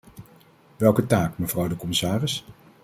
Welke taak, mevrouw de commissaris?